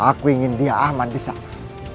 aku ingin dia aman disana